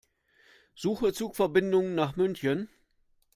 Suche Zugverbindungen nach München.